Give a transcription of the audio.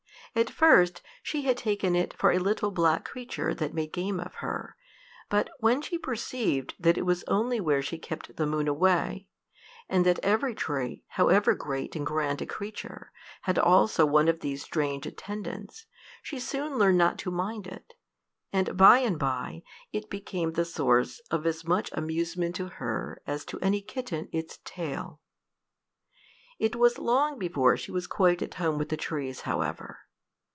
At first she had taken it for a little black creature that made game of her, but when she perceived that it was only where she kept the moon away, and that every tree, however great and grand a creature, had also one of these strange attendants, she soon learned not to mind it, and by and by it became the source of as much amusement to her as to any kitten its tail. It was long before she was quite at home with the trees, however.